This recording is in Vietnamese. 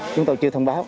chúng tôi chưa thông báo